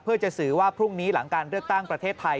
เพื่อจะสื่อว่าพรุ่งนี้หลังการเลือกตั้งประเทศไทย